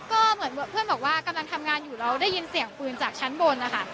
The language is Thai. ก็เหมือนเพื่อนบอกว่ากำลังทำงานอยู่แล้วได้ยินเสียงปืนจากชั้นบนนะคะ